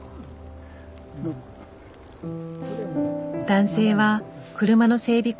男性は車の整備